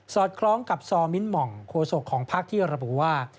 สอดคล้องกับซมิ้นหม่องโคศกของภักดิ์ที่ระบุว่า